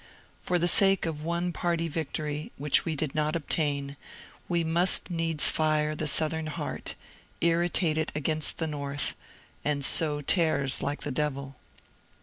For the sake of one party victory, which we did not obtain, we must needs fire the Southern heart, irritate it against the North, and sow tares like the devil.